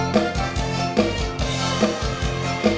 ที่นี้ขอขอร้อง๒๐๐๐แหล่ว